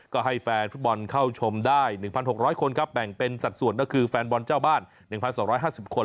ก็ให้แฟนฟุตบอลเข้าชมได้๑๖๐๐คนครับแบ่งเป็นสัดส่วนก็คือแฟนบอลเจ้าบ้าน๑๒๕๐คน